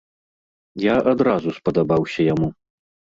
Я адразу спадабаўся яму.